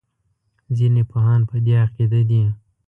ځینې پوهان په دې عقیده دي.